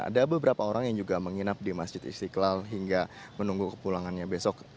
ada beberapa orang yang juga menginap di masjid istiqlal hingga menunggu kepulangannya besok